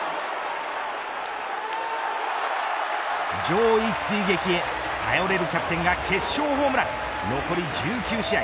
上位追撃へ頼れるキャプテンが決勝ホームラン残り１９試合